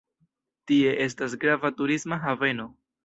Tie estas grava turisma haveno.